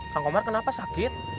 kang komar kenapa sakit